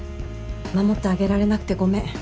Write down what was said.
守ってあげられなくてゴメン。